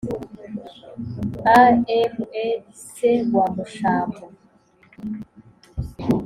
Amr se wa mushambo